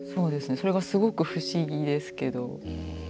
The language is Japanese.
それがすごく不思議ですけど。